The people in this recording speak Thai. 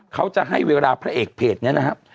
เขาจะให้เวลาพระเอกเพจนี้นะครับ